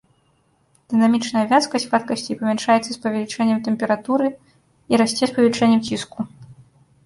Дынамічная вязкасць вадкасцей памяншаецца з павелічэннем тэмпературы і расце з павелічэннем ціску.